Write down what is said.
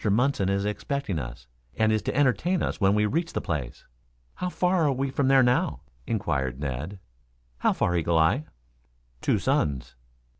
Munson is expecting us, and is to entertain us when we reach the place." "How far are we from there now?" inquired Ned. "How far, Eagle eye?" "Two suns."